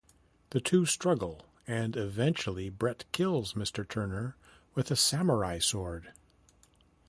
The two struggle, and eventually, Brett kills Mr. Turner with a samurai sword.